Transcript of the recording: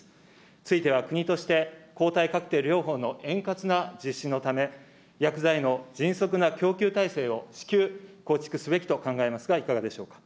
ついては、国として、抗体カクテル療法の円滑な実施のため、薬剤の迅速な供給体制を至急構築すべきと考えますが、いかがでしょうか。